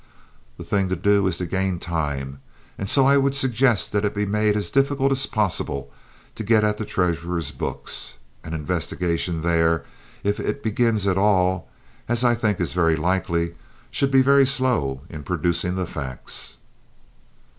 The thing to do is to gain time; and so I would suggest that it be made as difficult as possible to get at the treasurer's books. An investigation there, if it begins at all—as I think is very likely—should be very slow in producing the facts."